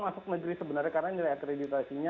masuk negeri sebenarnya karena nilai akreditasinya